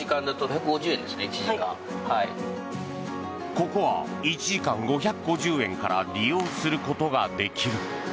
ここは１時間５５０円から利用することができる。